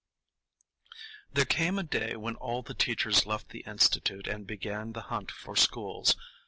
There came a day when all the teachers left the Institute and began the hunt for schools.